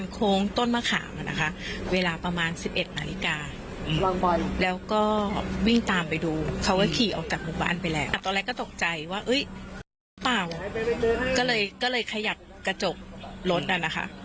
ก็เลยขยับกระจกรถนั่นนะคะ